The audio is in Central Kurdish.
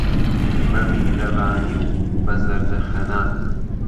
به میهرهبانی و به زهردهخهنه